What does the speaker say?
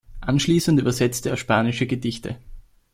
Anschließend übersetzte er spanische Gedichte.